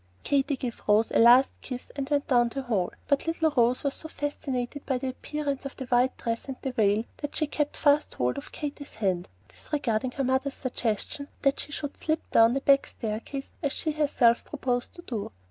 Katy gave Rose a last kiss, and went down the hall. But little Rose was so fascinated by the appearance of the white dress and veil that she kept fast hold of Katy's hand, disregarding her mother's suggestion that she should slip down the back staircase, as she herself proposed to do.